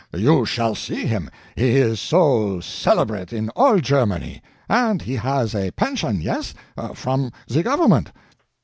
You shall see him. He is so celebrate in all Germany and he has a pension, yes, from the government.